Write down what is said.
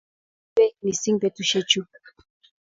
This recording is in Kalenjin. mekat ngwek mising' betusiechu.